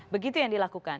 begitu yang dilakukan